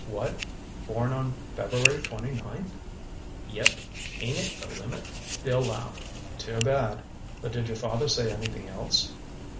"What? Born on February twenty ninth?" "Yep—ain't it the limit?" Bill laughed. "Too bad. But did your father say anything else?"